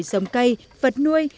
cây trồng cây vật nuôi